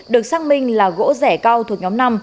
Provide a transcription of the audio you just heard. được xác minh là gỗ rẻ cao thuộc nhóm năm